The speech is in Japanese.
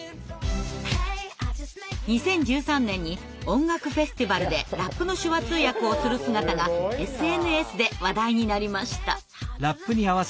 ２０１３年に音楽フェスティバルでラップの手話通訳をする姿がＳＮＳで話題になりました。